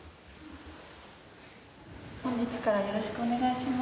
本日からよろしくお願いします。